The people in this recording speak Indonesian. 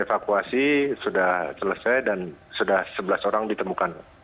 evakuasi sudah selesai dan sudah sebelas orang ditemukan